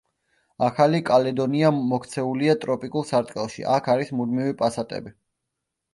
ახალი კალედონია მოქცეულია ტროპიკულ სარტყელში, აქ არის მუდმივი პასატები.